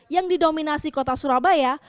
yang didominasi kota surabaya